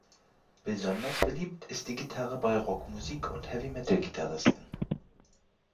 Besonders beliebt ist die Gitarre bei Rockmusik- und Heavy-Metal-Gitarristen.